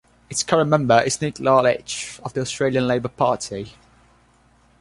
Its current member is Nick Lalich of the Australian Labor Party.